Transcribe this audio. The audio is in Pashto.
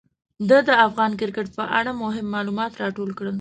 ده د افغان کرکټ په اړه مهم معلومات راټول کړي.